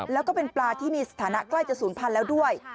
แล้วก็เป็นปลาที่มีสถานะใกล้จะ๐๐๐๐แล้วด้วย